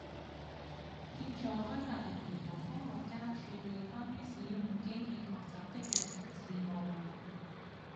協助開發人員和科學家處理關於使用機器學習的日常事務